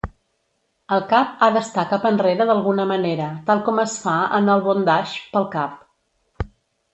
El cap ha d'estar cap enrere d'alguna manera, tal com es fa en el "bondage" pel cap.